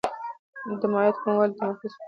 مایعاتو کموالی د تمرکز کمښت رامنځته کوي.